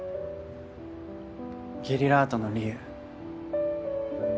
ゲリラアートの理由。